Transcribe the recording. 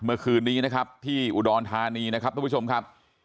เมื่อคืนนี้นะครับที่อุดรธานีนะครับทุกผู้ชมครับ